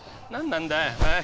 何なんだよ。